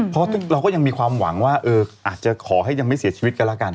เพราะเราก็ยังมีความหวังว่าอาจจะขอให้ยังไม่เสียชีวิตกันแล้วกัน